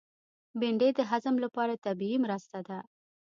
بېنډۍ د هضم لپاره طبیعي مرسته ده